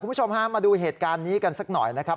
คุณผู้ชมฮะมาดูเหตุการณ์นี้กันสักหน่อยนะครับ